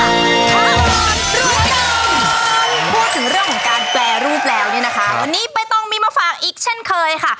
พูดถึงเรื่องของการแปรรูปแล้วเนี่ยนะคะวันนี้ใบตองมีมาฝากอีกเช่นเคยค่ะ